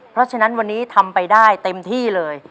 เพราะฉะนั้นวันนี้ทำไปได้เต็มที่เลย